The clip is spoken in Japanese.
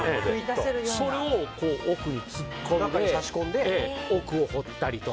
それを奥に突っ込んで奥を彫ったりとか。